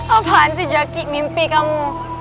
apaan sih jaki mimpi kamu